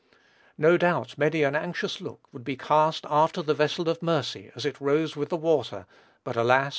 No doubt, many an anxious look would be cast after the vessel of mercy, as it rose with the water; but, alas!